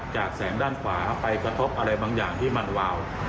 จากแสงด้านขวาไปกระทบอะไรบางอย่างที่มันวาว